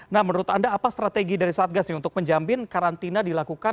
nah menurut anda apa strategi dari satgas ini untuk menjamin karantina dilakukan